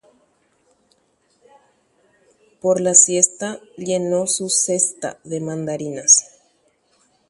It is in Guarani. asaje omyenyhẽ ijajaka mandarínagui